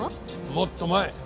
もっと前。